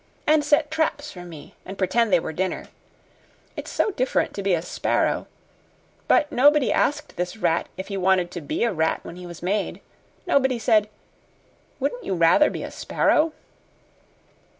And set traps for me, and pretend they were dinner. It's so different to be a sparrow. But nobody asked this rat if he wanted to be a rat when he was made. Nobody said, 'Wouldn't you rather be a sparrow?'"